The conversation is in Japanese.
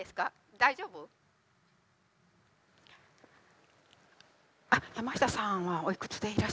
大丈夫？あっやましたさんはおいくつでいらっしゃいますか。